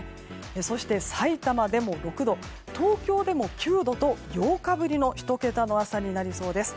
そして、さいたまでも６度東京でも９度と８日ぶりの１桁の朝となりそうです。